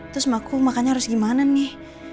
terus aku makannya harus gimana nih